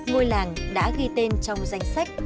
ngôi làng đã ghi tên trong danh sách